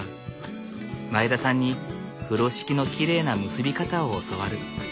前田さんに風呂敷のきれいな結び方を教わる。